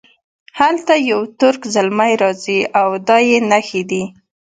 هلته یو ترک زلمی راځي دا او دا یې نښې دي.